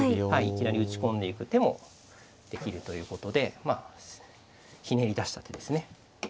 はいいきなり打ち込んでいく手もできるということでひねり出した手ですね。